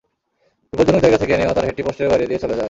বিপজ্জনক জায়গা থেকে নেওয়া তাঁর হেডটি পোস্টের বাইরে দিয়ে চলে যায়।